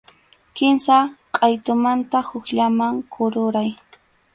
Kimsa qʼaytumanta hukllaman kururay.